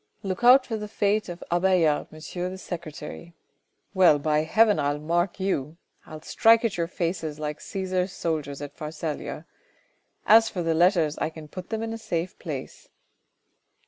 Look out for the fate of Abailard, M. the secretary. 11 Well, by heaven, I'll mark you. I'll strike at your faces like Caesar's soldiers at Pharsalia. As for the letters, I can put them in a safe place."